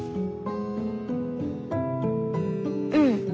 うん。